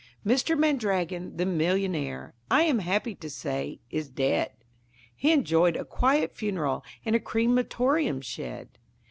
Mr. Mandragon, the Millionaire, I am happy to say, is dead; He enjoyed a quiet funeral in a Crematorium shed.